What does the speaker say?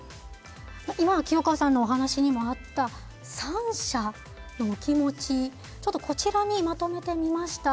今清川さんのお話にもあった３者のお気持ちちょっとこちらにまとめてみました。